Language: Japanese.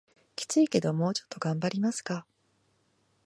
キツいけどもうちょっと頑張りますか